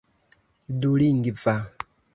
dulingva